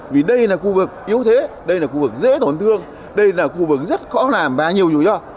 vì đây là khu vực yếu thế đây là khu vực dễ thổn thương đây là khu vực rất khó làm và nhiều dù do